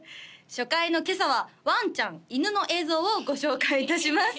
初回の今朝はワンちゃん犬の映像をご紹介いたします